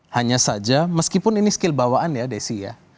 hanya saja meskipun ini skill bawaan ya desi ya